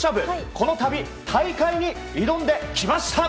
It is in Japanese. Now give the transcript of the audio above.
この度、大会に挑んできました！